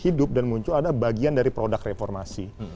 hidup dan muncul ada bagian dari produk reformasi